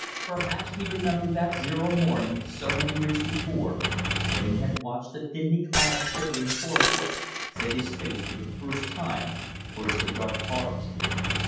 Perhaps he remembered that zero morning so many years before when he had watched the thinly clad, shivering chore boy set his face for the first time towards the dark forest.